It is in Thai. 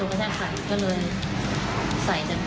มันจอดอย่างง่ายอย่างง่ายอย่างง่ายอย่างง่าย